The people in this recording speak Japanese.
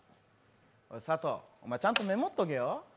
佐藤、お前ちゃんとメモっとけよ。